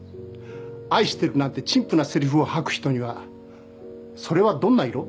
愛してるなんて陳腐なセリフを吐く人にはそれはどんな色？